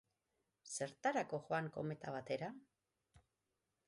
Zertarako joan kometa batera?